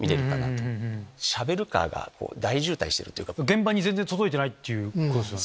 現場に全然届いてないってことですよね。